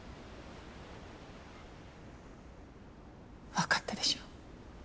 分かったでしょ？